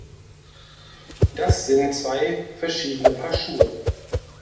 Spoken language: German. Das sind zwei verschiedene Paar Schuhe!